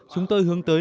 chúng tôi hướng tới